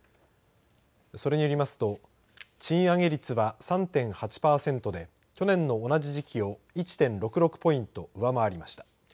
それによりますと賃上げ率は３．８パーセントで去年の同じ時期を１．６６ポイント上回りました。